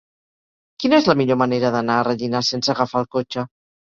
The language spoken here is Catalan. Quina és la millor manera d'anar a Rellinars sense agafar el cotxe?